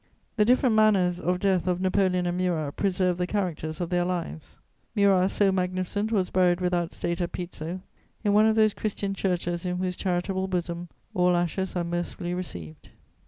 The different manners of death of Napoleon and Murat preserve the characters of their lives. Murat, so magnificent, was buried without state at Pizzo, in one of those Christian churches in whose charitable bosom all ashes are mercifully received.